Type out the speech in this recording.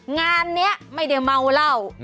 งานนี้ไม่ได้เมาเหล้า